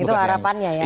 itu harapannya ya